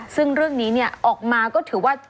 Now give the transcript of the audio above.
ซึ่งเรื่องนี้ออกมาก็ถือว่า